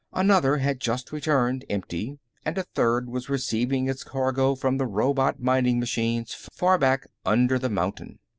Another had just returned, empty, and a third was receiving its cargo from the robot mining machines far back under the mountain.